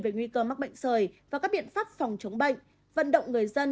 về nguy cơ mắc bệnh sởi và các biện pháp phòng chống bệnh vận động người dân